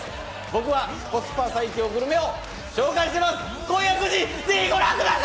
僕はコスパ最強グルメを紹介しています。